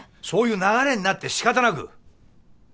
そういう流れになって仕方なく。